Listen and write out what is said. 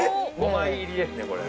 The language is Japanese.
５枚入りですね、これ。